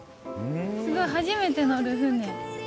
すごい、初めて乗る船。